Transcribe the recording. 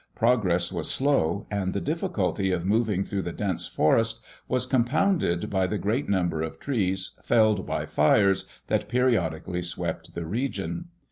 Progress was slow, and the difficulty of moving through the dense forest was compounded by the great number of trees felled by fires that periodically swept the region.